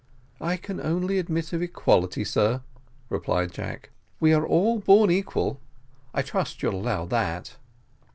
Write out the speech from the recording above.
"I can only admit of equality, sir," replied Jack; "we are all born equal I trust you'll allow that."